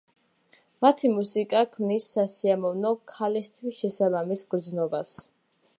მათი მუსიკა ქმნის სასიამოვნო, ქალისთვის შესაბამის გრძნობას.